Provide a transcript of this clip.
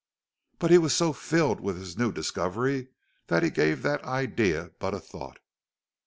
But he was so filled with his new discovery that he gave that idea but a thought.